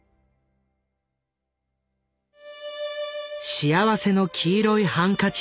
「幸福の黄色いハンカチ」